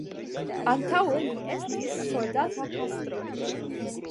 Antaŭe li estis soldata pastro.